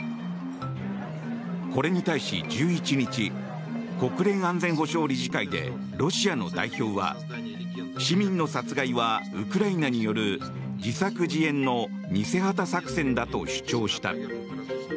これに対し、１１日国連安全保障理事会でロシアの代表は市民の殺害はウクライナによる自作自演の偽旗作戦だと主張した。